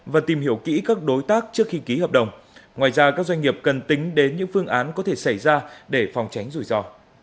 và tìm hiểu kỹ các đối tác trước khi ký hợp đồng ngoài ra các doanh nghiệp cần tính đến những phương án có thể xảy ra để phòng tránh rủi ro